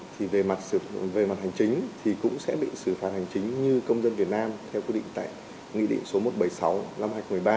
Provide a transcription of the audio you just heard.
thì về mặt về mặt hành chính thì cũng sẽ bị xử phạt hành chính như công dân việt nam theo quy định tại nghị định số một trăm bảy mươi sáu năm hai nghìn một mươi ba